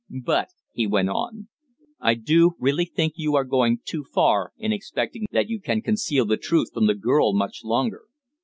"But," he went on, "I do really think you are going too far in expecting that you can conceal the truth from the girl much longer.